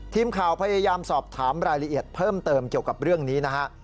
ทีมข่าวพยายามสอบถามรายละเอียดเพิ่มเติมเกี่ยวกับเรื่องนี้นะฮะ